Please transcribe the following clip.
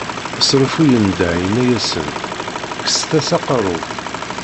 S reffu yendeh yenna-asen, kkset-as aqerru.